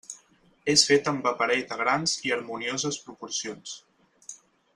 És fet amb aparell de grans i harmonioses proporcions.